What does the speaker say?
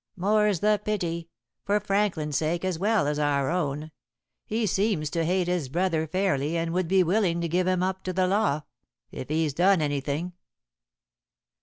"More's the pity, for Franklin's sake as well as our own. He seems to hate his brother fairly and would be willing to give him up to the law if he's done anything."